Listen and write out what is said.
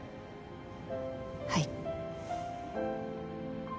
はい。